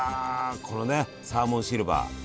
これねサーモンシルバー。